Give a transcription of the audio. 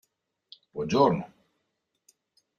Buon giorno!